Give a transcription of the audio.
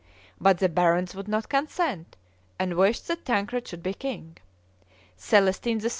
But the barons would not consent, and wished that Tancred should be king. Celestine III.